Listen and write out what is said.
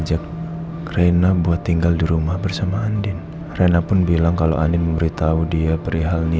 gak apa apa terserah pak